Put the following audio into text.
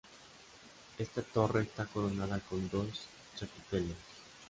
Esta torre está coronada con dos chapiteles.